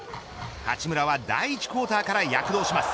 八村は第１クオーターから躍動します。